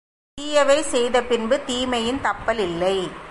தீயவை செய்த பின்பு தீமையின் தப்பல் இல்லை.